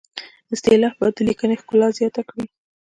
اصطلاح باید د لیکنې ښکلا زیاته کړي